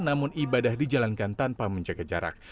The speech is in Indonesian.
namun ibadah dijalankan tanpa menjaga jarak